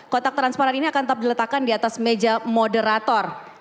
kotak transparan ini akan tetap diletakkan di atas meja moderator